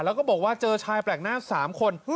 แล้วก็บอกว่าเจอชายแปลกหน้า๓คน